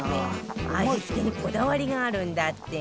味付けにこだわりがあるんだって